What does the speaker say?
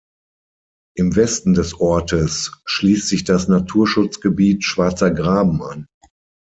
Im Westen des Ortes schließt sich das Naturschutzgebiet Schwarzer Graben an.